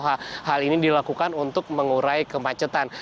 jadi ini adalah hal yang harus dilakukan untuk mengurai kemacetan